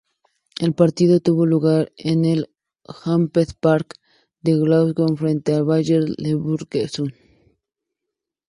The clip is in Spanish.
El partido tuvo lugar en el Hampden Park de Glasgow frente al Bayer Leverkusen.